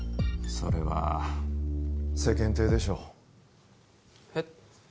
それは世間体でしょうえっ？